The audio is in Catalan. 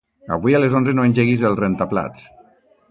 Avui a les onze no engeguis el rentaplats.